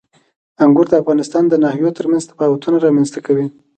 انګور د افغانستان د ناحیو ترمنځ تفاوتونه رامنځته کوي.